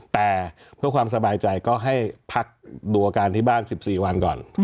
แต่เพื่อความสบายใจก็ให้พักดูอาการที่บ้าน๑๔วันก่อน